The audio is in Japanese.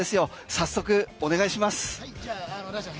早速お願いします。